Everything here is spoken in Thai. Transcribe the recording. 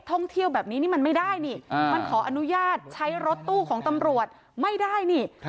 ท่องเที่ยวแบบนี้นี่มันไม่ได้นี่มันขออนุญาตใช้รถตู้ของตำรวจไม่ได้นี่